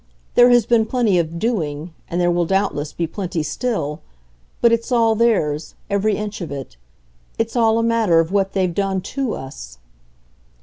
There has been plenty of 'doing,' and there will doubtless be plenty still; but it's all theirs, every inch of it; it's all a matter of what they've done TO us."